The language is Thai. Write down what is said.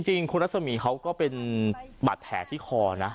จริงคุณรัศมีร์เขาก็เป็นบาดแผลที่คอนะ